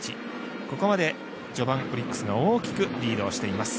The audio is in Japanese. ここまで序盤、オリックスが大きくリードをしています。